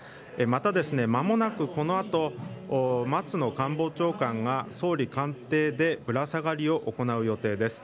また、まもなくこのあと松野官房長官が総理官邸でぶら下がりを行う予定です。